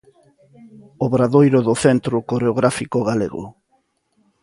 Obradoiro do Centro Coreográfico Galego.